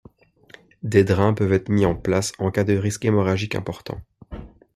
Des drains peuvent être mis en place en cas de risque hémorragique important.